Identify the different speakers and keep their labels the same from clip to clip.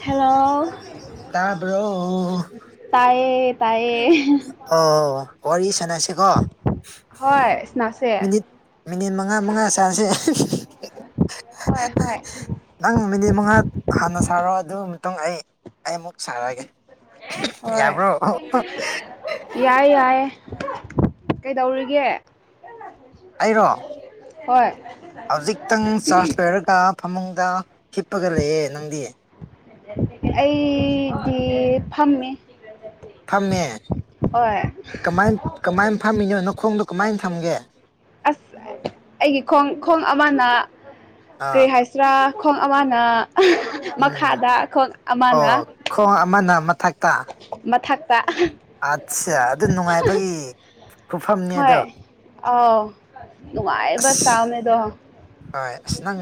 Speaker 1: hello
Speaker 2: ꯇꯥꯕ꯭ꯔꯣ
Speaker 1: ꯇꯥꯏꯌꯦ ꯇꯥꯏꯌꯦ
Speaker 2: ꯑꯣ ꯋꯥꯔꯤ ꯁꯥꯟꯅꯁꯤꯀꯣ
Speaker 1: ꯍꯣꯏ ꯁꯅꯥꯁꯦ
Speaker 2: ꯃꯤꯅꯤꯠ ꯃꯤꯅꯤꯠ ꯃꯉꯥ ꯃꯉꯥ ꯆꯥꯅꯁꯦ
Speaker 1: ꯍꯣꯏ ꯍꯣꯏ
Speaker 2: ꯅꯪ ꯃꯤꯅꯤꯠ ꯃꯉꯥ ꯍꯥꯟꯅ ꯁꯥꯔꯛꯑꯣ ꯑꯗꯨ ꯃꯇꯨꯡ ꯑꯩ ꯑꯩ ꯑꯃꯨꯛ ꯁꯔꯛꯑꯒꯦ
Speaker 1: ꯍꯣꯏ
Speaker 2: ꯌꯥꯕ꯭ꯔꯣ
Speaker 1: ꯌꯥꯏ ꯌꯥꯏ ꯀꯩꯗꯧꯔꯤꯒꯦ
Speaker 2: ꯑꯩꯔꯣ
Speaker 1: ꯍꯣꯏ
Speaker 2: ꯍꯧꯖꯤꯛꯇꯪ ꯆꯥꯔꯖ ꯂꯣꯏꯔꯒ ꯐꯃꯨꯡꯗ ꯍꯤꯞꯄꯒ ꯂꯩꯌꯦ ꯅꯪꯗꯤ
Speaker 1: ꯑꯩꯗꯤ ꯐꯝꯃꯤ
Speaker 2: ꯐꯝꯃꯦ
Speaker 1: ꯍꯣꯏ
Speaker 2: ꯀꯃꯥꯏ ꯀꯃꯥꯏꯅ ꯐꯝꯃꯤꯅꯣ ꯅꯈꯣꯡꯗꯣ ꯀꯃꯥꯏꯅ ꯊꯝꯒꯦ
Speaker 1: ꯑꯁ ꯑꯩꯒꯤ ꯈꯣꯡ ꯈꯣꯡ ꯑꯃꯅ
Speaker 2: ꯑꯥ
Speaker 1: ꯀꯔꯤ ꯍꯥꯏꯁ ꯍꯥꯏꯁꯤꯔꯥ ꯈꯣꯡ ꯑꯃꯅ
Speaker 2: ꯎꯝ
Speaker 1: ꯃꯈꯥꯗ ꯈꯣꯡ ꯑꯃꯅ
Speaker 2: ꯑꯣ ꯈꯣꯡ ꯑꯃꯅ ꯃꯊꯛꯇ
Speaker 1: ꯃꯊꯛꯇ
Speaker 2: ꯑꯠꯆꯥ ꯑꯗꯨ ꯅꯨꯡꯉꯥꯏꯕꯒꯤ ꯈꯨꯐꯝꯅꯦ ꯑꯗꯣ
Speaker 1: ꯍꯣꯏ ꯑꯧ ꯅꯨꯡꯉꯥꯏꯕ
Speaker 2: ꯑꯁ
Speaker 1: ꯁ꯭ꯇꯥꯏꯅꯦ ꯑꯗꯣ
Speaker 2: ꯍꯣꯏ ꯑꯁ ꯅꯪ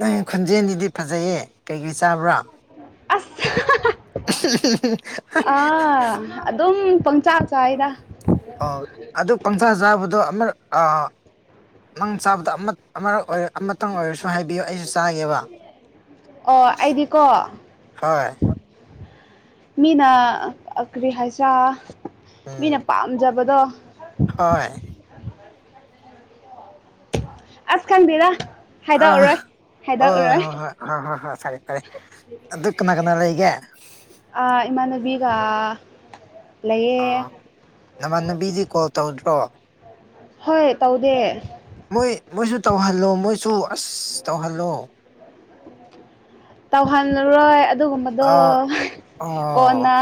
Speaker 2: ꯅꯪ ꯈꯨꯣꯟꯖꯦꯜꯁꯤꯗꯤ ꯐꯖꯩꯌꯦ ꯀꯩꯀꯩ ꯆꯥꯕ꯭ꯔꯣ
Speaker 1: ꯑꯁ ꯑꯥ ꯑꯗꯨꯝ ꯄꯡꯆꯥ ꯆꯥꯏꯌꯦꯗ
Speaker 2: ꯑꯣ ꯑꯗꯨ ꯄꯡꯆꯥꯥ ꯆꯥꯕꯗꯣ ꯑꯃꯔꯛ ꯑꯥ ꯅꯪ ꯆꯥꯕꯗꯣ ꯑꯃ ꯑꯃꯔꯛ ꯑꯃꯇꯪ ꯑꯣꯏꯔꯁꯨ ꯍꯥꯏꯕꯤꯌꯨ ꯑꯩꯁꯨ ꯆꯥꯒꯦꯕ
Speaker 1: ꯑꯣ ꯑꯩꯗꯤꯀꯣ
Speaker 2: ꯍꯣꯏ
Speaker 1: ꯃꯤꯅ ꯀꯔꯤ ꯍꯥꯏꯁꯤꯔ ꯃꯤꯅ
Speaker 2: ꯎꯝ
Speaker 1: ꯄꯥꯝꯖꯕꯗꯣ
Speaker 2: ꯍꯣꯏ
Speaker 1: ꯑꯁ ꯈꯡꯗꯦꯗ
Speaker 2: ꯑꯥ ꯍꯣꯏ ꯍꯣꯏ ꯍꯣꯏ ꯍꯣꯏ ꯍꯣꯏ ꯍꯣꯏ ꯐꯔꯦ ꯐꯔꯦ ꯑꯗꯨ ꯀꯅꯥ ꯀꯅꯥ ꯂꯩꯒꯦ
Speaker 1: ꯑ ꯏꯃꯥꯅꯕꯤꯒ
Speaker 2: ꯑꯥ ꯅꯃꯥꯟꯅꯕꯤꯗꯤ ꯀꯣꯜ ꯇꯧꯗ꯭ꯔꯣ
Speaker 1: ꯍꯣꯏ ꯇꯧꯗꯦ
Speaker 2: ꯃꯣꯏ ꯃꯣꯏꯁꯨ ꯇꯧꯍꯜꯂꯣ ꯃꯣꯏꯁꯨ ꯑꯁ ꯇꯧꯍꯜꯂꯣ
Speaker 1: ꯇꯧꯍꯜꯂꯔꯣꯏ ꯑꯗꯨꯒꯨꯝꯕꯗꯤ ꯑꯗꯣ
Speaker 2: ꯑꯥ ꯑꯣ
Speaker 1: ꯀꯣꯟꯅ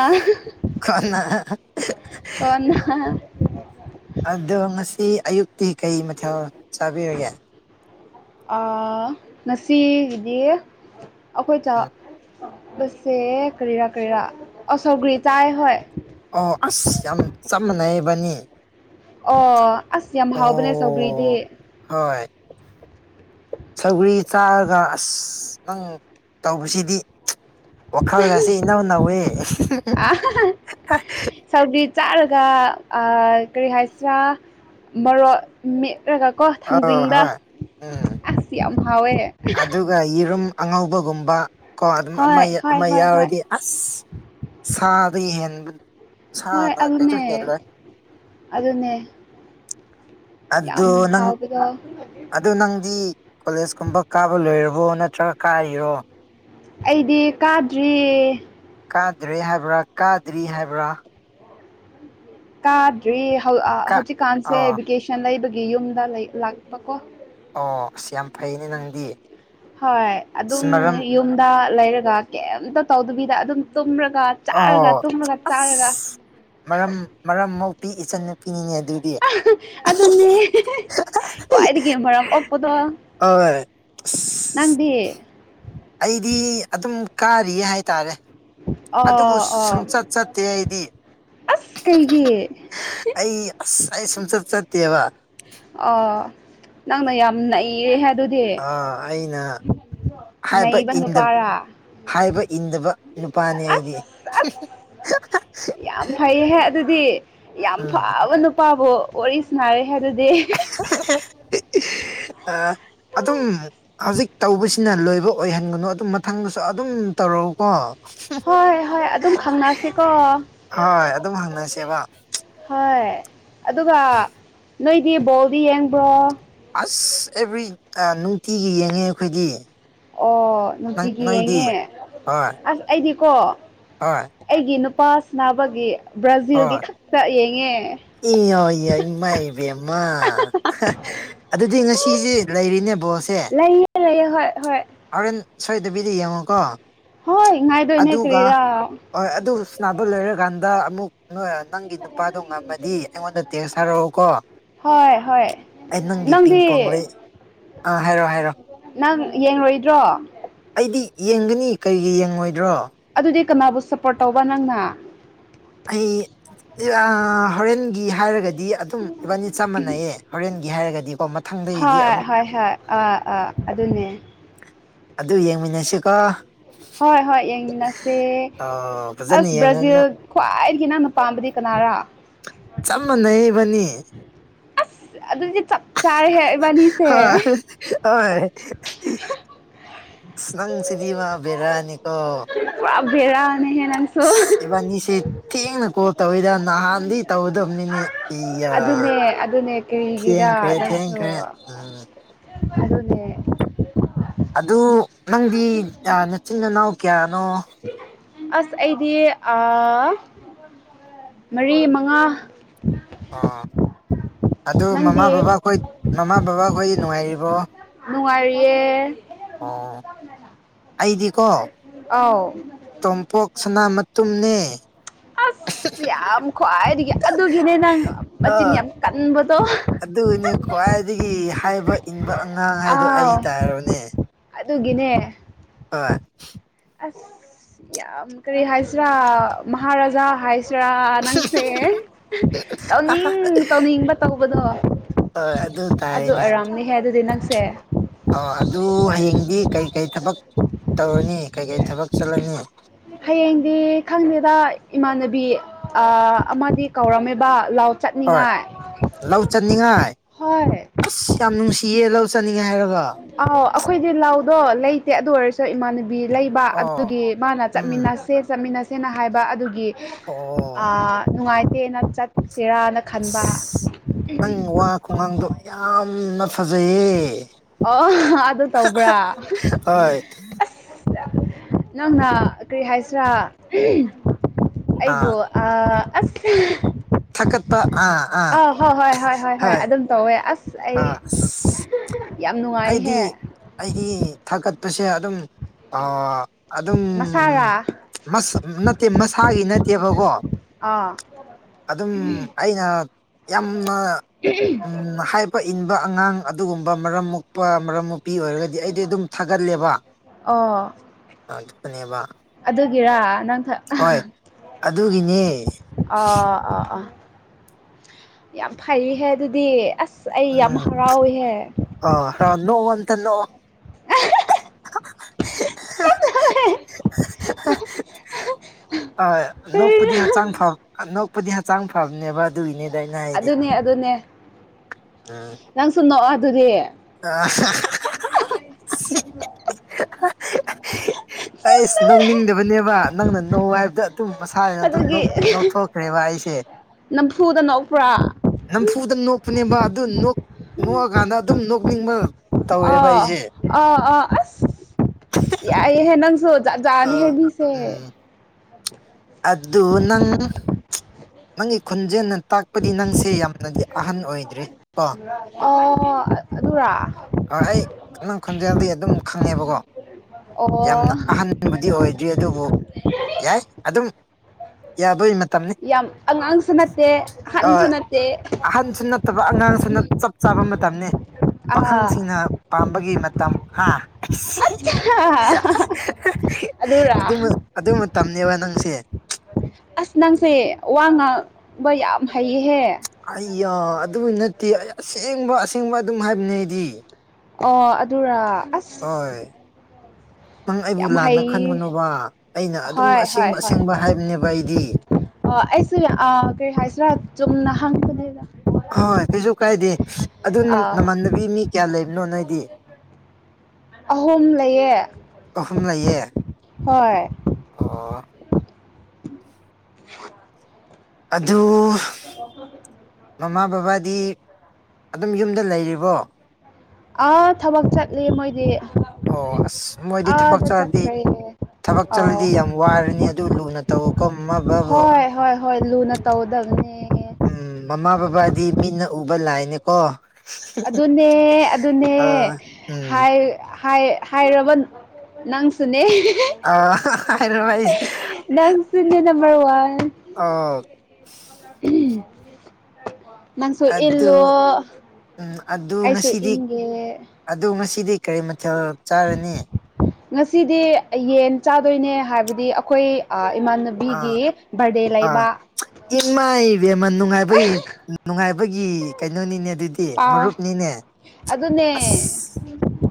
Speaker 2: ꯀꯅꯥ
Speaker 1: ꯀꯣꯟꯅ
Speaker 2: ꯑꯗꯣ ꯉꯁꯤ ꯑꯌꯨꯛꯇꯤ ꯀꯩ ꯃꯊꯦꯜ ꯆꯥꯕꯤꯔꯒꯦ
Speaker 1: ꯑꯥ ꯉꯁꯤꯒꯤꯗꯤ ꯑꯩꯈꯣꯏ ꯆꯥ
Speaker 2: ꯎꯝ
Speaker 1: ꯆꯥꯕꯁꯦ ꯀꯔꯤꯔꯥ ꯀꯔꯤꯔꯥ ꯑꯁꯒ꯭ꯔꯤ ꯆꯥꯏ ꯍꯣꯏ
Speaker 2: ꯑꯣ ꯑꯁ ꯌꯥꯝ ꯆꯞ ꯃꯥꯟꯅꯩꯌꯦ ꯏꯕꯥꯅꯤ
Speaker 1: ꯑꯣ ꯑꯁ ꯌꯥꯝ ꯍꯥꯎꯕꯅꯦ ꯁꯧꯒ꯭ꯔꯤꯗꯤ
Speaker 2: ꯑꯣ ꯍꯣꯏ
Speaker 1: [unintelligible]
Speaker 2: ꯁꯧꯒ꯭ꯔꯤ ꯆꯥꯔꯒ ꯑꯁ ꯅꯪ ꯇꯧꯕꯁꯤꯗꯤ ꯋꯥꯈꯜꯒꯁꯦ ꯏꯅꯧ ꯅꯧꯋꯦ
Speaker 1: ꯑꯥ ꯁꯧꯒ꯭ꯔꯤ ꯆꯥꯔꯒ ꯀꯔꯤ ꯍꯥꯏꯁꯤꯔꯥ ꯃꯔꯣꯛ ꯃꯦꯠ ꯔꯒ ꯀꯣ
Speaker 2: ꯑꯧ
Speaker 1: ꯊꯥꯡꯖꯤꯡꯗ
Speaker 2: ꯍꯣꯏ ꯎꯝ
Speaker 1: ꯑꯁ ꯌꯥꯝ ꯍꯥꯎꯋꯦ
Speaker 2: ꯑꯗꯨꯒ ꯌꯦꯔꯨꯝ ꯑꯉꯧꯕꯒꯨꯝꯕ ꯀꯣ ꯑꯗꯨꯝ ꯑꯃ
Speaker 1: ꯍꯣꯏ ꯍꯣꯏ
Speaker 2: ꯑꯃ
Speaker 1: ꯍꯣꯏ ꯍꯣꯏ
Speaker 2: ꯌꯥꯎꯔꯗꯤ ꯑꯁ ꯁꯥꯗꯩ ꯍꯦꯟ
Speaker 1: ꯍꯣꯏ
Speaker 2: ꯁꯥꯅ ꯀꯩꯁꯨ
Speaker 1: ꯑꯗꯨꯅꯦ
Speaker 2: ꯍꯦꯜꯂꯣꯏ
Speaker 1: ꯑꯗꯨꯅꯦ
Speaker 2: ꯑꯗꯨ
Speaker 1: ꯌꯥꯝ
Speaker 2: ꯅꯪ
Speaker 1: ꯍꯥꯎꯕꯗꯣ
Speaker 2: ꯑꯗꯨ ꯅꯪꯗꯤ ꯀꯣꯂꯦꯖ ꯀꯨꯝꯕ ꯀꯥꯕ ꯂꯣꯏꯔꯕꯣ ꯅꯠꯇ꯭ꯔꯒ ꯀꯥꯔꯤꯔꯣ
Speaker 1: ꯑꯩꯗꯤ ꯀꯥꯗ꯭ꯔꯤ
Speaker 2: ꯀꯥꯗ꯭ꯔꯦ ꯍꯥꯏꯕ꯭ꯔꯥ ꯀꯥꯗ꯭ꯔꯤ ꯍꯥꯏꯕ꯭ꯔꯥ
Speaker 1: ꯀꯥꯗ꯭ꯔꯤ
Speaker 2: ꯀꯥ
Speaker 1: ꯍꯧꯖꯤꯛ ꯀꯥꯟꯁꯦ
Speaker 2: ꯑꯣ
Speaker 1: ꯚꯦꯀꯦꯁꯟ ꯂꯩꯕꯒꯤ ꯌꯨꯝꯗ ꯂꯥꯛꯄꯀꯣ
Speaker 2: ꯑꯣ ꯑꯁ ꯌꯥꯝ ꯐꯩꯅꯦ ꯅꯪꯗꯤ
Speaker 1: ꯍꯣꯏ
Speaker 2: ꯑꯁ
Speaker 1: ꯑꯗꯨꯝ
Speaker 2: ꯃꯔꯝ
Speaker 1: ꯌꯨꯝꯗ ꯂꯩꯔꯒ ꯀꯩꯝꯇ ꯇꯧꯗꯕꯤꯗ ꯑꯗꯨꯝ ꯇꯨꯝꯔꯒ ꯆꯥꯔꯒ
Speaker 2: ꯑꯣ
Speaker 1: ꯇꯨꯝꯔꯒ ꯆꯥꯔꯒ
Speaker 2: ꯑꯁ ꯃꯔꯝ ꯃꯔꯝ ꯃꯣꯛꯄꯤ ꯏꯆꯟ ꯅꯨꯄꯤꯅꯤꯅꯦ ꯑꯗꯨꯗꯤ
Speaker 1: ꯑꯗꯨꯅꯦ ꯈ꯭ꯋꯥꯏꯗꯒꯤ ꯃꯔꯝ ꯑꯣꯛꯄꯗꯣ
Speaker 2: ꯑꯣꯏ
Speaker 1: ꯅꯪꯗꯤ
Speaker 2: ꯑꯩꯗꯤ ꯑꯗꯨꯝ ꯀꯥꯔꯤꯌꯦ ꯍꯥꯏꯇꯥꯔꯦ
Speaker 1: ꯑ
Speaker 2: ꯑꯗꯨꯕꯨ
Speaker 1: ꯑ
Speaker 2: ꯁꯨꯡ ꯆꯠ ꯆꯠꯇꯦ ꯑꯩꯗꯤ
Speaker 1: ꯑꯁ ꯀꯩꯒꯤ
Speaker 2: ꯑꯩ ꯑꯁ ꯑꯩ ꯁꯨꯡꯆꯠ ꯆꯠꯇꯦꯕ
Speaker 1: ꯑꯣ ꯅꯪꯅ ꯌꯥꯝ ꯅꯩꯌꯦ ꯍꯦ ꯑꯗꯨꯗꯤ
Speaker 2: ꯑꯥ ꯑꯩꯅ ꯍꯥꯏꯕ
Speaker 1: ꯅꯩꯕ
Speaker 2: ꯏꯟꯗꯕ
Speaker 1: ꯅꯨꯄꯥꯔꯥ
Speaker 2: ꯍꯥꯏꯕ ꯏꯟꯗꯕ ꯅꯨꯄꯥꯅꯦ ꯑꯩꯗꯤ
Speaker 1: ꯑꯁ ꯑꯁ ꯌꯥꯝ ꯐꯩꯍꯦ ꯑꯗꯨꯗꯤ ꯌꯥꯝ
Speaker 2: ꯎꯝ
Speaker 1: ꯐꯕ ꯅꯨꯄꯥꯕꯨ ꯋꯥꯔꯤ ꯁꯥꯟꯅꯔꯦꯍꯦ ꯑꯗꯨꯗꯤ
Speaker 2: ꯑꯥ ꯑꯗꯨꯝ ꯍꯧꯖꯤꯛ ꯇꯧꯕꯁꯤꯅ ꯂꯣꯏꯕ ꯑꯣꯏꯍꯟꯒꯅꯨ ꯑꯗꯨꯝ ꯃꯊꯪꯗꯁꯨ ꯑꯗꯨꯝ ꯇꯧꯔꯛꯎꯀꯣ
Speaker 1: ꯍꯣꯏ ꯍꯣꯏ ꯑꯗꯨꯝ ꯈꯪꯅꯁꯤꯀꯣ
Speaker 2: ꯍꯣꯏ ꯑꯗꯨꯝ ꯍꯪꯅꯁꯦꯕ
Speaker 1: ꯍꯣꯏ ꯑꯗꯨꯒ ꯅꯣꯏꯗꯤ ꯕꯣꯜꯗꯤ ꯌꯦꯡꯕ꯭ꯔꯣ
Speaker 2: ꯑꯁ ꯑꯦꯚ꯭ꯔꯤ ꯅꯨꯡꯇꯤꯒꯤ ꯌꯦꯡꯉꯦ ꯑꯩꯈꯣꯏꯗꯤ
Speaker 1: ꯑꯣ
Speaker 2: ꯅꯪ
Speaker 1: ꯅꯨꯡꯇꯤꯒꯤ
Speaker 2: ꯅꯣꯏꯗꯤ
Speaker 1: ꯌꯦꯡꯉꯦ
Speaker 2: ꯍꯣꯏ
Speaker 1: ꯑꯁ ꯑꯩꯗꯤꯀꯣ
Speaker 2: ꯍꯣꯏ
Speaker 1: ꯑꯩꯒꯤ ꯅꯨꯄꯥ ꯁꯥꯟꯅꯕꯒꯤ ꯕ꯭ꯔꯥꯖꯤꯜꯒꯤ ꯈꯛꯇ ꯌꯦꯡꯉꯦ
Speaker 2: ꯏꯌꯥ ꯌꯥ ꯏꯃꯥꯏꯕꯦꯝꯃ ꯑꯗꯨꯗꯤ ꯉꯁꯤꯁꯦ ꯂꯩꯔꯤꯅꯦ ꯕꯣꯜꯁꯦ
Speaker 1: ꯂꯩꯌꯦ ꯂꯩꯌꯦ ꯍꯣꯏ ꯍꯣꯏ
Speaker 2: ꯍꯣꯔꯦꯟ ꯁꯣꯏꯗꯕꯤꯗ ꯌꯦꯡꯉꯣꯀꯣ
Speaker 1: ꯍꯣꯏ ꯉꯥꯏꯗꯣꯏꯅꯦ
Speaker 2: ꯑꯗꯨꯒ
Speaker 1: ꯀ꯭ꯔꯤꯔꯥ
Speaker 2: ꯍꯣꯏ ꯑꯗꯨ ꯁꯥꯟꯅꯕ ꯂꯣꯏꯔ ꯀꯥꯟꯗ ꯑꯃꯨꯛ ꯅꯣꯏ ꯅꯪꯒꯤ ꯅꯨꯄꯥꯗꯣ ꯉꯝꯃꯗꯤ ꯑꯩꯉꯣꯟꯗ ꯇꯦꯛꯁ ꯊꯥꯔꯛꯎꯀꯣ
Speaker 1: ꯍꯣꯏ ꯍꯣꯏ ꯅꯪꯗꯤ
Speaker 2: ꯑ ꯍꯥꯏꯔꯣ ꯍꯥꯏꯔꯣ
Speaker 1: ꯅꯪ ꯌꯦꯡꯔꯣꯏꯗ꯭ꯔꯣ
Speaker 2: ꯑꯩꯗꯤ ꯌꯦꯡꯒꯅꯤ ꯀꯔꯤꯒꯤ ꯌꯦꯡꯉꯣꯏꯗ꯭ꯔꯣ
Speaker 1: ꯑꯗꯨꯗꯤ ꯀꯅꯥꯕꯨ ꯁꯞꯄꯣꯔꯠ ꯇꯧꯕ ꯅꯪꯅ
Speaker 2: ꯑꯩ ꯏꯔꯥ ꯍꯣꯔꯦꯟꯒꯤ ꯍꯥꯏꯔꯒꯗꯤ ꯑꯗꯨꯝ ꯏꯕꯥꯅꯤ ꯆꯞ ꯃꯥꯟꯅꯩꯌꯦ ꯍꯣꯔꯦꯟ ꯒꯤ ꯍꯥꯏꯔꯒꯗꯤ ꯀꯣ ꯃꯠ
Speaker 1: ꯍꯣꯏ ꯍꯣꯏ ꯍꯣꯏ ꯑꯥ ꯑꯥ ꯑꯗꯨꯅꯦ
Speaker 2: ꯑꯗꯨ ꯌꯦꯡꯃꯤꯟꯅꯁꯤꯀꯣ
Speaker 1: ꯍꯣꯏ ꯍꯣꯏ ꯌꯦꯡꯃꯤꯟꯅꯁꯦ
Speaker 2: ꯑꯣ ꯐꯖꯅ
Speaker 1: ꯑꯁ ꯕ꯭ꯔꯥꯖꯤꯜ
Speaker 2: ꯌꯦꯡꯉꯣ
Speaker 1: ꯈ꯭ꯋꯥꯏꯗꯒꯤ ꯅꯪꯅ ꯄꯥꯝꯕꯗꯤ ꯀꯅꯥꯔꯥ
Speaker 2: ꯆꯞ ꯃꯥꯟꯅꯩꯌꯦ ꯏꯕꯟꯅꯤ
Speaker 1: ꯑꯗꯨꯗꯤ ꯆꯞ ꯆꯥꯔꯦ ꯍꯦ ꯏꯕꯥꯅꯤꯁꯦ
Speaker 2: ꯍꯣꯏ ꯍꯣꯏ ꯅꯪꯁꯤꯗꯤꯕꯥ ꯕꯦꯔꯥꯅꯦ
Speaker 1: ꯄꯨꯔꯥ ꯕꯦꯔꯅꯦ ꯍꯦ ꯅꯪꯁꯨ
Speaker 2: ꯑꯁ ꯏꯕꯥꯅꯤꯁꯦ ꯊꯦꯡꯅ ꯀꯣꯜ ꯇꯧꯋꯤꯗ ꯅꯍꯥꯟꯗꯤ ꯇꯧꯒꯗꯕꯅꯤꯅꯦ ꯏꯌꯥ
Speaker 1: ꯑꯗꯨꯅꯦ ꯑꯗꯨꯅꯦ ꯀꯔꯤꯒꯤꯔ ꯅꯡꯁꯨ
Speaker 2: ꯎꯝ
Speaker 1: ꯑꯗꯨꯅꯦ
Speaker 2: ꯑꯗꯨ ꯅꯪꯗꯤ ꯌꯥ ꯅꯆꯤꯟ ꯅꯥꯅꯥꯎ ꯀꯌꯥꯅꯣ
Speaker 1: ꯑꯁ ꯑꯩꯗꯤ ꯑꯥ ꯃꯔꯤ ꯃꯉꯥ
Speaker 2: ꯑꯥ ꯑꯗꯨ ꯃꯃꯥ
Speaker 1: ꯅꯪꯗꯤ
Speaker 2: ꯕꯕꯥꯈꯣꯏ ꯃꯃꯥ ꯕꯕꯥꯈꯣꯏ ꯅꯨꯡꯉꯥꯏꯔꯤꯕꯣ
Speaker 1: ꯅꯨꯡꯉꯥꯏꯔꯤꯌꯦ
Speaker 2: ꯑꯣ ꯑꯩꯗꯤꯀꯣ
Speaker 1: ꯑꯥꯎ
Speaker 2: ꯇꯣꯝꯄꯣꯛ ꯁꯅꯥ ꯃꯇꯨꯝꯅꯦ
Speaker 1: ꯑꯁ ꯌꯥꯝ ꯈ꯭ꯋꯥꯏꯗꯒꯤ ꯑꯗꯨꯒꯤꯅꯦ ꯅꯪ ꯃꯆꯤꯟ
Speaker 2: ꯑꯥ
Speaker 1: ꯌꯥꯝ ꯀꯟꯕ ꯑꯗꯣ [unintelligible]
Speaker 2: ꯑꯗꯨꯅꯦ ꯈ꯭ꯋꯥꯏꯗꯒꯤ ꯍꯥꯏꯕ ꯏꯟꯕ ꯑꯉꯥꯡ ꯍꯥꯏꯗꯣ ꯑꯩ
Speaker 1: ꯑꯥꯎ
Speaker 2: ꯇꯥꯔꯕꯅꯦ
Speaker 1: ꯑꯗꯨꯒꯤꯅꯦ
Speaker 2: ꯍꯣꯏ
Speaker 1: ꯑꯁ ꯌꯥꯝ ꯀꯔꯤ ꯍꯥꯏꯁꯤꯔꯥ ꯃꯍꯥꯔꯥꯖꯥ ꯍꯥꯏ ꯁꯤꯔꯥ ꯅꯪꯁꯦ ꯇꯧꯅꯤꯡ ꯇꯧꯅꯤꯡꯕ ꯇꯧꯕꯗꯣ
Speaker 2: ꯍꯣꯏ ꯑꯗꯨ ꯇꯥꯏ [unintelligible]
Speaker 1: ꯑꯗꯨ ꯑꯣꯏꯔꯝꯅꯤꯍꯦ ꯑꯗꯨꯗꯤ ꯅꯪꯁꯦ
Speaker 2: ꯑꯣ ꯑꯗꯨ ꯍꯌꯦꯡꯗꯤ ꯀꯩ ꯀꯩ ꯊꯕꯛ ꯇꯧꯔꯅꯤ ꯀꯩ ꯀꯩ ꯊꯕꯛ ꯆꯠꯂꯅꯤ
Speaker 1: ꯍꯌꯦꯡꯗꯤ ꯈꯪꯗꯦꯗ ꯏꯃꯥꯟꯅꯕꯤ ꯑꯥ ꯑꯃꯗꯤ ꯀꯧꯔꯝꯃꯦꯕ ꯂꯥꯎ
Speaker 2: ꯍꯣꯏ
Speaker 1: ꯆꯠꯅꯤꯡꯉꯥꯏ
Speaker 2: ꯂꯧ ꯆꯠꯅꯤꯡꯉꯥꯏ
Speaker 1: ꯍꯣꯏ
Speaker 2: ꯑꯁ ꯌꯥꯝ ꯅꯨꯡꯁꯤꯌꯦ ꯂꯧ ꯆꯠꯅꯤꯡꯉꯦ ꯍꯥꯏꯔꯒ
Speaker 1: ꯑꯥꯎ ꯑꯩꯈꯣꯏꯗꯤ ꯂꯧꯗꯣ ꯂꯩꯇꯦ ꯑꯗꯨ ꯑꯣꯏꯔꯁꯨ ꯏꯃꯥꯟꯅꯕꯤ ꯕꯤ ꯂꯩꯕ
Speaker 2: ꯑꯣ
Speaker 1: ꯑꯗꯨꯒꯤ ꯃꯥꯅ
Speaker 2: ꯎꯝ
Speaker 1: ꯆꯠꯃꯤꯟꯅꯁꯦ ꯆꯠꯃꯤꯟꯅꯁꯦꯅ ꯍꯥꯏꯕ ꯑꯗꯨꯒꯤ
Speaker 2: ꯑꯣ
Speaker 1: ꯑꯥ ꯅꯨꯡꯉꯥꯏꯇꯦꯅ ꯆꯠꯁꯤꯔꯥꯅ ꯈꯟꯕ
Speaker 2: ꯑꯁ ꯅꯪ ꯋꯥ ꯀꯨꯉꯪꯗꯣ ꯌꯥꯝꯅ ꯐꯖꯩꯌꯦ
Speaker 1: ꯑꯣ ꯑꯗꯨ ꯇꯧꯕ꯭ꯔꯥ
Speaker 2: ꯍꯣꯏ
Speaker 1: ꯑꯁ ꯅꯪꯅ ꯀꯔꯤ ꯍꯥꯏꯁꯤꯔꯥ ꯑꯩꯕꯨ
Speaker 2: ꯑꯥ
Speaker 1: ꯑꯥ ꯑꯁ
Speaker 2: ꯊꯒꯠꯄ ꯑꯥ
Speaker 1: ꯑꯥ ꯍꯣꯏ ꯍꯣꯏ ꯍꯣꯏ ꯍꯣꯏ ꯍꯣꯏ ꯑꯗꯨꯝ ꯇꯧꯋꯦ ꯑꯁ ꯑꯁ ꯑꯩ
Speaker 2: ꯑꯥ ꯑꯁ
Speaker 1: ꯌꯥꯝ
Speaker 2: ꯑꯩꯗꯤ
Speaker 1: ꯅꯨꯡꯉꯥꯏꯍꯦ
Speaker 2: ꯑꯩꯗꯤ ꯊꯥꯒꯠꯄꯁꯦ ꯑꯗꯨꯝ ꯑꯥ ꯑꯗꯨꯝ
Speaker 1: ꯃꯁꯥꯔꯥ
Speaker 2: ꯃꯁ ꯅꯠꯇꯦ ꯃꯁꯥꯒꯤ ꯅꯠꯇꯦꯕꯀꯣ
Speaker 1: ꯑꯥ
Speaker 2: ꯑꯗꯨꯝ ꯑꯩꯅ ꯌꯥꯝꯅ ꯑꯝ ꯍꯥꯏ ꯍꯥꯏꯕ ꯏꯟꯕ ꯑꯉꯥꯡ ꯑꯗꯨꯒꯨꯝꯕ ꯃꯔꯝ ꯃꯣꯛꯄ ꯃꯔꯝ ꯃꯣꯛꯄꯤ ꯑꯣꯏꯔꯒ ꯗꯤ ꯑꯩꯗꯤ ꯑꯗꯨꯝ ꯊꯥꯒꯠꯂꯦꯕ ꯑꯗꯨꯅꯦꯕ
Speaker 1: ꯑꯗꯨꯒꯤꯔ ꯅꯪ ꯊꯥ
Speaker 2: ꯍꯣꯏ ꯑꯗꯨꯒꯤꯅꯦ
Speaker 1: ꯑꯥ ꯑꯥ ꯑꯥ ꯌꯥꯝ ꯐꯩꯍꯦ ꯑꯗꯨꯗꯤ ꯑꯁ ꯑꯩ ꯌꯥꯝ
Speaker 2: ꯎꯝ
Speaker 1: ꯍꯔꯥꯎꯋꯤꯍꯦ
Speaker 2: ꯑꯥ ꯍꯔꯥꯎ ꯅꯣꯛꯑꯣ ꯑꯝꯇ ꯅꯣꯛꯑꯣ ꯍꯥ [unintelligible]
Speaker 1: [unintelligible]
Speaker 2: ꯍꯣꯏ ꯅꯣꯛꯄꯗꯤ
Speaker 1: ꯀꯔꯤꯔ
Speaker 2: ꯍꯛꯆꯥꯡ ꯐꯥ ꯅꯣꯛꯄꯗꯤ ꯍꯛꯆꯥꯡ ꯐꯥꯕꯅꯦꯕ ꯑꯗꯨꯒꯤꯅꯦꯗ ꯑꯩꯅ ꯍꯥꯏꯗꯤ
Speaker 1: ꯑꯗꯨꯅꯦ
Speaker 2: ꯎꯝ
Speaker 1: ꯅꯪꯁꯨꯨ ꯅꯣꯛꯑꯣ ꯑꯗꯨꯗꯤ
Speaker 2: [unintelligible] ꯑꯩꯁ ꯅꯣꯅꯤꯡꯗꯕꯅꯦ ꯕ ꯅꯪꯅ ꯅꯣꯛꯑꯣ ꯍꯥꯏꯕꯗ ꯑꯗꯨꯝ ꯃꯁꯥꯅ ꯑꯗꯨꯝ
Speaker 1: ꯑꯗꯨꯒꯤ
Speaker 2: ꯅꯣꯛꯊꯣꯛꯈ꯭ꯔꯦꯕ ꯑꯩꯁꯦ
Speaker 1: ꯅꯝꯐꯨꯗ ꯅꯣꯛꯄ꯭ꯔꯥ
Speaker 2: ꯅꯝꯐꯨꯗ ꯅꯣꯛꯄꯅꯦꯕ ꯑꯗꯨ ꯅꯣꯛ ꯅꯣꯛꯑꯀꯥꯟꯗ ꯑꯗꯨꯝ ꯅꯣꯛꯅꯤꯡꯕ ꯇꯧꯔꯦꯕ
Speaker 1: ꯑꯥ
Speaker 2: ꯑꯩꯁꯦ
Speaker 1: ꯑꯥ ꯑꯥ ꯑꯁ ꯌꯥꯏꯌꯦꯍꯦ ꯅꯪꯁꯨ ꯖꯥꯠ ꯖꯥꯠꯅꯤ ꯍꯦ
Speaker 2: ꯑ
Speaker 1: ꯁꯦ
Speaker 2: ꯎꯝ ꯑꯗꯨ ꯅꯪ ꯅꯪꯒꯤ ꯈꯣꯟꯖꯦꯟꯅ ꯇꯥꯛꯄꯗꯤ ꯅꯪꯁꯦ ꯌꯥꯝꯅꯗꯤ ꯑꯍꯟ ꯑꯣꯏꯗ꯭ꯔꯤ ꯀꯣ
Speaker 1: ꯑꯥ ꯑꯗꯣ
Speaker 2: ꯑꯥ ꯑꯩ ꯅꯪ ꯈꯣꯟꯖꯦꯜꯗꯤ ꯑꯗꯨꯝ ꯈꯪꯉꯦꯕꯀꯣ ꯌꯥꯝꯅ
Speaker 1: ꯑꯣ
Speaker 2: ꯑꯍꯟ ꯕꯨꯗꯤ ꯑꯣꯏꯗ꯭ꯔꯤ ꯑꯗꯨꯕꯨ ꯌꯥꯏ ꯑꯗꯨꯝ ꯌꯥꯕꯩ ꯃꯇꯝꯅꯤ
Speaker 1: ꯌꯥꯝ ꯑꯉꯥꯡꯁꯨ ꯅꯠꯇꯦ
Speaker 2: ꯑꯥ
Speaker 1: ꯑꯍꯟꯁꯨ ꯅꯠꯇꯦ
Speaker 2: ꯑꯍꯟꯁꯨ ꯅꯠ ꯅꯠꯇꯕ ꯑꯉꯥꯡꯁꯨꯅ ꯆꯞ ꯆꯥꯕ ꯃꯇꯝꯅꯤ
Speaker 1: ꯑꯥ
Speaker 2: ꯄꯥꯈꯪꯁꯤꯡꯅ ꯄꯥꯝꯕꯒꯤ ꯃꯇꯝ ꯍꯥ
Speaker 1: ꯑꯠꯆꯥ ꯑꯗꯨꯔꯥ
Speaker 2: ꯑꯗꯨꯝ ꯑꯗꯨꯏ ꯃꯇꯝꯅꯦꯕ ꯅꯪꯁꯦ
Speaker 1: ꯑꯁ ꯅꯪꯁꯦ ꯋꯥ ꯉꯥꯡꯕ ꯌꯥꯝ ꯍꯩꯌꯦꯍꯦ
Speaker 2: ꯑꯩꯌꯥ ꯑꯗꯨꯏ ꯅꯠꯇꯦ ꯑꯩ ꯑꯁꯦꯡꯕ ꯑꯁꯦꯡꯕ ꯑꯗꯨꯝ ꯍꯥꯏꯕꯅꯦ ꯑꯩꯗꯤ
Speaker 1: ꯑꯣ ꯑꯗꯨꯔ ꯑꯁ
Speaker 2: ꯍꯣꯏ ꯅꯪ ꯑꯩꯕꯨ
Speaker 1: ꯌꯥꯝ
Speaker 2: ꯂꯥꯟꯅ
Speaker 1: ꯍꯩ
Speaker 2: ꯈꯟꯒꯅꯣꯕ ꯑꯩꯅ ꯑꯗꯨꯝ
Speaker 1: ꯍꯣꯏ ꯍꯣꯏ
Speaker 2: ꯑꯁꯦꯡꯕ
Speaker 1: ꯍꯣꯏ
Speaker 2: ꯑꯁꯦꯡꯕ
Speaker 1: ꯍꯣꯏ
Speaker 2: ꯍꯥꯏꯕꯅꯦꯕ ꯑꯩꯗꯤ
Speaker 1: ꯑꯣ ꯑꯩꯁꯨ ꯑꯥ ꯀꯔꯤ ꯍꯥꯏꯁꯤꯔꯥ ꯆꯨꯝꯅ ꯍꯪꯕꯅꯦꯕ
Speaker 2: ꯍꯣꯏ ꯀꯩꯁꯨ ꯀꯥꯏꯗꯦ ꯑꯗꯨ
Speaker 1: ꯑꯥ
Speaker 2: ꯅꯃꯥꯟꯅꯕꯤ ꯃꯤ ꯀꯌꯥ ꯂꯩꯕꯅꯣ ꯅꯣꯏꯗꯤ
Speaker 1: ꯑꯍꯨꯝ ꯂꯩꯌꯦ
Speaker 2: ꯑꯍꯨꯝ ꯂꯩꯌꯦ
Speaker 1: ꯍꯣꯏ
Speaker 2: ꯑꯣ
Speaker 1: [unintelligible]
Speaker 2: ꯑꯗꯨ ꯃꯃꯥ ꯕꯕꯥꯗꯤ ꯑꯗꯨꯝ ꯌꯨꯝꯗ ꯂꯩꯔꯤꯕꯣ
Speaker 1: ꯑ ꯊꯕꯛ ꯆꯠꯂꯦ ꯃꯣꯢꯗꯤ
Speaker 2: ꯑꯣ ꯑꯁ ꯃꯣꯢꯗꯤ ꯊꯕꯛ ꯆꯥꯔꯗꯤ ꯊꯕꯛ
Speaker 1: ꯑꯥꯎ
Speaker 2: ꯆꯠꯂꯤꯗꯤ ꯌꯥꯝ ꯋꯥꯢꯔꯅꯤ ꯑꯗꯨ ꯂꯨꯅ ꯇꯧꯋꯀꯣ ꯃꯃꯥ ꯕꯕꯥꯕꯨꯣ
Speaker 1: ꯍꯣꯏ ꯍꯣꯏ ꯍꯣꯏ ꯂꯨꯅ ꯇꯧꯗꯕꯅꯦ
Speaker 2: ꯎꯝ ꯃꯃꯥ ꯕꯕꯥꯗꯤ ꯃꯤꯠꯅ ꯎꯕ ꯂꯥꯢꯅꯦꯀꯣ
Speaker 1: ꯑꯗꯨꯅꯦ ꯑꯗꯨꯅꯦ
Speaker 2: ꯑꯥ ꯎꯝ
Speaker 1: ꯍꯥꯢ ꯍꯥꯢ ꯍꯥꯢꯔꯕ ꯅꯪꯁꯨꯅꯦ
Speaker 2: ꯑꯥ [unintelligible] ꯍꯥꯢꯔꯣꯢꯁ
Speaker 1: ꯅꯪ [unintelligible] ꯅꯝꯕꯔ ꯋꯥꯟ
Speaker 2: ꯑꯥꯎ
Speaker 1: ꯎꯝ ꯅꯪꯁꯨ
Speaker 2: ꯑꯗꯨ
Speaker 1: ꯏꯜꯂꯣ
Speaker 2: ꯎꯝ ꯑꯗꯨ
Speaker 1: ꯑꯩꯁꯨ
Speaker 2: ꯉꯁꯤꯗꯤ
Speaker 1: ꯏꯟꯒꯦ
Speaker 2: ꯑꯗꯨ ꯉꯁꯤꯗꯤ ꯀꯔꯤ ꯃꯊꯦꯜ ꯆꯥꯔꯅꯤ
Speaker 1: ꯉꯁꯤꯗꯤ ꯌꯦꯟ ꯆꯥꯗꯣꯢꯅꯦ ꯍꯥꯢꯕꯗꯤ ꯑꯩꯈꯣꯢ ꯑꯥ ꯏꯃꯥꯟꯕꯤ
Speaker 2: ꯑꯥ ꯑꯥ ꯏꯃꯥꯢ ꯏꯕꯦꯝꯃꯟ ꯅꯨꯡꯉꯥꯢꯕꯒꯤ ꯅꯨꯡꯉꯥꯢꯕꯒꯤ ꯀꯩꯅꯣꯅꯤꯅꯦ ꯑꯗꯨꯗꯤ ꯒꯤ
Speaker 1: ꯄꯥꯎ
Speaker 2: ꯃꯔꯨꯞꯅꯤꯅꯦ
Speaker 1: ꯑꯗꯨꯅꯦ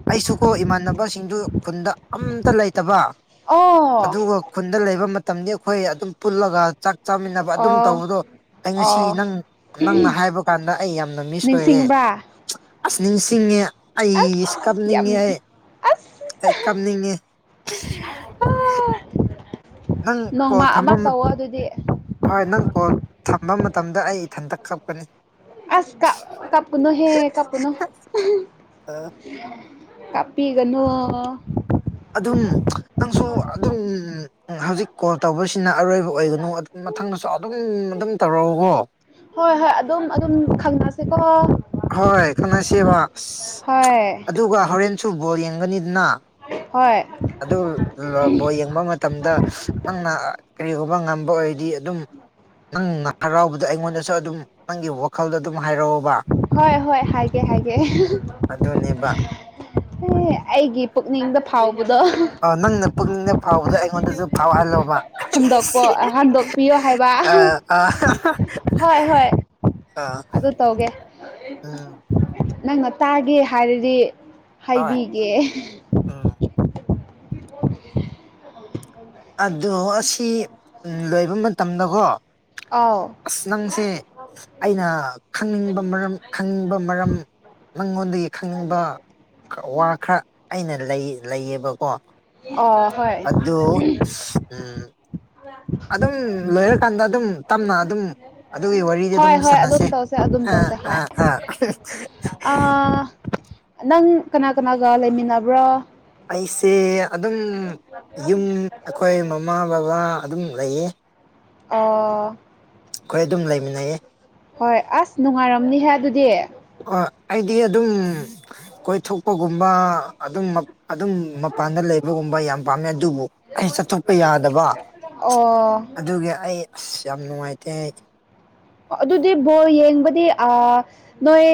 Speaker 2: ꯑꯩꯁꯨ ꯀꯣ ꯏꯃꯥꯟꯅꯕꯁꯤꯡꯗꯨ ꯈꯨꯟꯗ ꯑꯝꯇ ꯂꯩꯇꯕ
Speaker 1: ꯑꯣ
Speaker 2: ꯑꯗꯨꯒ ꯈꯨꯟꯗ ꯂꯩꯕ ꯃꯇꯝꯗꯤ ꯑꯩꯈꯣꯢ ꯑꯗꯨꯝ ꯄꯨꯜꯂꯒ ꯆꯥꯛ ꯆꯥꯃꯤꯟꯅꯕ ꯑꯗꯨꯝ
Speaker 1: ꯑꯣ
Speaker 2: ꯇꯧꯕꯗꯣ ꯑꯩ ꯉꯁꯤ
Speaker 1: ꯑꯣ
Speaker 2: ꯅꯪ ꯅꯪꯅ ꯍꯥꯢꯕ ꯀꯥꯟꯗ ꯑꯩ ꯌꯥꯝꯅ ꯃꯤꯁ ꯑꯣꯢꯔꯦ
Speaker 1: ꯅꯤꯡꯁꯤꯡꯕ꯭ꯔꯥ
Speaker 2: ꯑꯁ ꯅꯤꯡꯁꯤꯡꯉꯦ ꯑꯩꯁ
Speaker 1: ꯑꯁ
Speaker 2: ꯀꯥꯞꯅꯤꯡꯉꯦ
Speaker 1: ꯌꯥꯝ
Speaker 2: ꯑꯩ
Speaker 1: ꯑꯁ
Speaker 2: ꯑꯩ ꯀꯥꯞꯅꯤꯡꯉꯦ ꯅꯪ
Speaker 1: [unintelligible] ꯅꯣꯡꯃ ꯑꯃ ꯇꯧꯋꯣ ꯑꯗꯨꯗꯤ
Speaker 2: ꯍꯣꯢ ꯅꯪ ꯀꯣꯜ ꯊꯝꯕ ꯃꯇꯝꯗ ꯑꯩ ꯏꯊꯟꯇ ꯀꯞꯀꯅꯤ
Speaker 1: ꯑꯁ ꯀ ꯀꯞꯄꯨꯅꯣ ꯍꯦ ꯀꯞꯄꯨꯅꯣ ꯍꯦ
Speaker 2: ꯑ
Speaker 1: ꯀꯥꯞꯄꯤꯒꯅꯣ
Speaker 2: ꯑꯗꯨꯝ ꯅꯪꯁꯨ ꯑꯗꯨꯝ ꯍꯧꯖꯤꯛ ꯀꯣꯜ ꯇꯧꯕꯁꯤꯅ ꯑꯔꯣꯢꯕ ꯑꯣꯢꯒꯅꯨ ꯑꯗꯨꯝ ꯃꯊꯪꯗꯁꯨ ꯑꯗꯨꯝ ꯑꯗꯨꯝ ꯇꯧꯔꯛꯎꯀꯣ
Speaker 1: ꯍꯣꯢ ꯍꯣꯢ ꯑꯗꯨꯝ ꯑꯗꯨꯝ ꯈꯪꯅꯁꯦꯀꯣ
Speaker 2: ꯍꯣꯢ ꯈꯪꯅꯁꯦꯕ ꯑꯁ
Speaker 1: ꯍꯣꯏ
Speaker 2: ꯑꯗꯨꯒ ꯍꯣꯔꯦꯟꯁꯨ ꯕꯣꯜ ꯌꯦꯡꯒꯅꯤꯗꯅ
Speaker 1: ꯍꯣꯢ
Speaker 2: ꯑꯗꯨ [unintelligible] ꯕꯣꯜ ꯌꯦꯡꯕ ꯃꯇꯝꯗ ꯅꯪꯅ ꯀꯔꯤꯒꯨꯝꯕ ꯉꯝꯕ ꯑꯣꯢꯗꯤ ꯑꯗꯨꯝ ꯅꯪꯅ ꯍꯔꯥꯎꯕꯗ ꯑꯩꯉꯣꯟꯗꯁꯨ ꯑꯗꯨꯝ ꯅꯪꯒꯤ ꯋꯥꯈꯜꯗ ꯑꯗꯨꯝ ꯍꯥꯢꯔꯑꯣꯕ
Speaker 1: ꯍꯣꯢ ꯍꯣꯢ ꯍꯥꯢꯒꯦ ꯍꯥꯢꯒꯦ ꯑꯦ
Speaker 2: ꯑꯗꯨꯅꯦꯕ
Speaker 1: ꯑꯩꯒꯤ ꯄꯨꯛꯅꯤꯡꯗ ꯐꯥꯎꯕꯗꯣ
Speaker 2: ꯑ ꯅꯪꯅ ꯄꯨꯛꯅꯤꯡꯗ ꯐꯥꯎꯕꯗꯣ ꯑꯩꯉꯣꯟꯗꯁꯨ ꯐꯥꯎꯍꯜꯂꯣꯕ
Speaker 1: ꯍꯟꯗꯣꯛꯄꯣ ꯍꯟꯗꯣꯛꯄꯤꯌꯣ ꯍꯥꯏꯕ
Speaker 2: [unintelligible] ꯑ ꯑ ꯍ ꯍ ꯑꯥ
Speaker 1: ꯗꯨ ꯇꯧꯒꯦ
Speaker 2: ꯎꯝ
Speaker 1: ꯅꯪꯅ ꯇꯥꯒꯦ ꯍꯥꯢꯔꯗꯤ
Speaker 2: ꯍꯣꯏ
Speaker 1: ꯍꯥꯢꯕꯤꯒꯦ
Speaker 2: ꯎꯝ ꯑꯗꯨ ꯑꯁꯤ ꯂꯣꯢꯕ ꯃꯇꯝꯗꯒꯣ
Speaker 1: ꯑꯥꯎ
Speaker 2: ꯑꯁ ꯅꯪꯁꯦ ꯑꯩꯅ ꯈꯪꯅꯤꯡꯕ ꯃꯔꯝ ꯈꯪꯅꯤꯡꯕ ꯃꯔꯝ ꯅꯪꯉꯣꯟꯗꯒꯤ ꯈꯪꯅꯤꯡꯕ ꯈꯔ ꯋꯥ ꯈꯔ ꯑꯩꯅ ꯂꯩ ꯂꯩꯌꯦꯕꯀꯣ
Speaker 1: ꯑꯣ ꯍꯣꯏ
Speaker 2: ꯑꯗꯨ ꯎꯝ
Speaker 1: [unintelligible]
Speaker 2: ꯑꯗꯨꯝ ꯂꯣꯏꯔꯀꯥꯟꯗ ꯑꯗꯨꯝ ꯇꯞꯅ ꯑꯗꯨꯝ ꯑꯗꯨꯒꯤ ꯋꯥꯔꯤꯗꯣꯗꯨꯝ
Speaker 1: ꯍꯣꯏ ꯍꯣꯏ
Speaker 2: ꯁꯥꯟꯅꯁꯦ
Speaker 1: ꯑꯗꯨꯝ ꯇꯧꯁꯦ ꯑꯗꯨꯝ
Speaker 2: ꯑꯥ
Speaker 1: ꯇꯧꯁꯦ ꯍꯣꯏ
Speaker 2: ꯑꯥ ꯑꯥ
Speaker 1: ꯑꯥ ꯅꯪ ꯀꯅꯥ ꯀꯅꯥꯒ ꯂꯩꯃꯤꯟꯅꯕ꯭ꯔꯣ
Speaker 2: ꯑꯩꯁꯦ ꯑꯗꯨꯝ ꯌꯨꯝ ꯑꯩꯈꯣꯏ ꯃꯃꯥ ꯕꯕꯥ ꯑꯗꯨꯝ ꯂꯩꯌꯦ
Speaker 1: ꯑꯣ
Speaker 2: ꯑꯈꯣꯏ ꯑꯗꯨꯝ ꯂꯩꯃꯤꯟꯅꯩꯌꯦ
Speaker 1: ꯍꯣꯏ ꯑꯁ ꯅꯨꯡꯉꯥꯏꯔꯝꯅꯤꯍꯦ ꯑꯗꯨꯗꯤ
Speaker 2: ꯍꯣ ꯑꯩꯗꯤ ꯑꯗꯨꯝ ꯀꯣꯏꯊꯣꯛꯄꯒꯨꯝꯕ ꯑꯗꯨꯝ ꯃꯞ ꯑꯗꯨꯝ ꯃꯄꯥꯟꯗ ꯂꯩꯕꯒꯨꯝꯕ ꯌꯥꯝ ꯄꯥꯝꯃꯦ ꯑꯗꯨꯕꯨ ꯑꯩ ꯆꯠꯊꯣꯛꯄ ꯌꯥꯗꯕ
Speaker 1: ꯑꯣ
Speaker 2: ꯑꯗꯨꯒꯤ ꯑꯩ ꯑꯁ ꯌꯥꯝ ꯅꯨꯡꯉꯥꯏꯇꯦ ꯑꯩ
Speaker 1: ꯑꯗꯨꯗꯤ ꯕꯣꯜ ꯌꯦꯡꯕꯗꯤ ꯑ ꯅꯣꯏ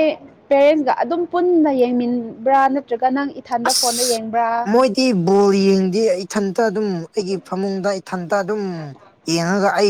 Speaker 1: ꯄꯦꯔꯦꯟꯁꯒ ꯑꯗꯨꯝ ꯄꯨꯟꯅ ꯌꯦꯡꯃꯤꯟꯕ꯭ꯔꯥ ꯅꯠꯇ꯭ꯔꯒ ꯅꯪ ꯏ ꯊꯟꯗ ꯐꯣꯟꯗ ꯌꯦꯡꯕ꯭ꯔꯥ
Speaker 2: ꯏ ꯕꯣꯜ ꯌꯦꯡꯗꯦ ꯏꯊꯟꯇ ꯑꯗꯨꯝ ꯑꯩꯒꯤ ꯐꯃꯨꯡꯗ ꯏꯊꯟꯇ ꯑꯗꯨꯝ ꯌꯦꯡꯉꯒ ꯑꯩꯅ